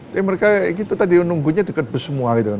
tapi mereka itu tadi menunggunya dekat semua gitu kan